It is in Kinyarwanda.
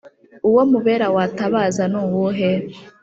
uwo mu bera watabaza ni uwuhe’